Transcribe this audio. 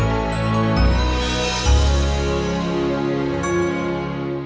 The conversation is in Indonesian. yang terkena langsung diuat dengan perut